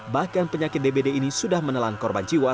bahkan penyakit dbd ini sudah menelan korban jiwa